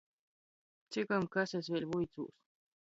Cikom kas es vēļ vuicūs.